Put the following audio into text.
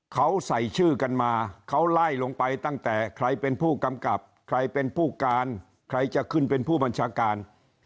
เขาใส่ชื่อกันมาเขาไล่ลงไปตั้งแต่ใครเป็นผู้กำกับใครเป็นผู้การใครจะขึ้นเป็นผู้บัญชาการ